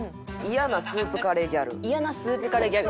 「嫌なスープカレーギャル」？